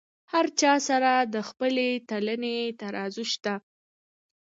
هر چا سره د خپلې تلنې ترازو شته.